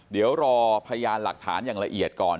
เดี๋ยวรอพยานหลักฐานอย่างละเอียดก่อน